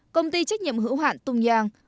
công ty trách nhiệm hữu hạn tung giang